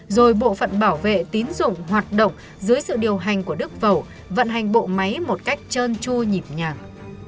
rồi bộ phận bảo vệ tín dụng hoạt động dưới sự điều hành của đức vẩu vận hành bộ máy một cách trơn chu nhịp nhàng